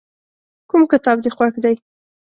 کوم کتاب دې خوښ دی.